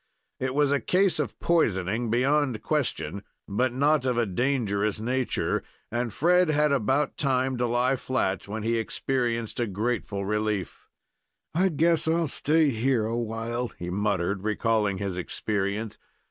It was a case of poisoning beyond question, but not of a dangerous nature; and Fred had about time to lie flat when he experienced a grateful relief. "I guess I'll stay here a while," he muttered, recalling his experience.